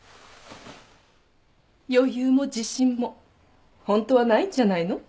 余裕も自信もホントはないんじゃないの？